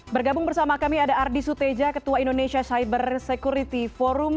bergabung bersama kami ada ardi suteja ketua indonesia cyber security forum